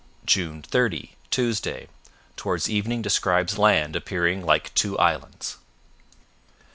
" 30 Tuesday Towards evening describes land appearing like two islands.